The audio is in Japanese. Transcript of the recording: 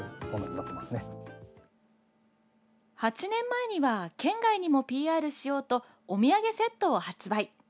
８年前には、県外にもＰＲしようとお土産セットを発売。